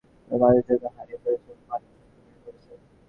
মাটি তার জৈবিক চরিত্র হারিয়ে ফেলেছে এবং পানি বিষাক্ত হয়ে পড়েছে।